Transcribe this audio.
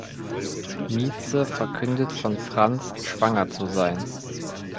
Mieze verkündet von Franz schwanger zu sein.